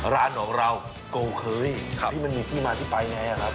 ร้านของเราก็วเคอรี่ครับที่มันมีที่มาที่ไปอย่างไรครับ